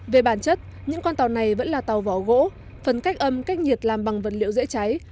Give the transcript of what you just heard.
về bản chất những con tàu này vẫn là tàu vỏ gỗ phần cách âm cách nhiệt làm bằng vật liệu dễ cháy